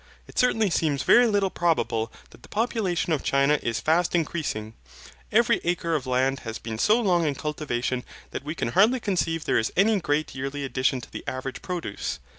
It certainly seems very little probable that the population of China is fast increasing. Every acre of land has been so long in cultivation that we can hardly conceive there is any great yearly addition to the average produce.